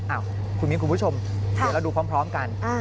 อ้าวคุณมิ้นคุณผู้ชมเดี๋ยวเราดูพร้อมกัน